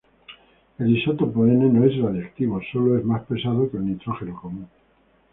El isótopo N no es radioactivo, solo es más pesado que el nitrógeno común.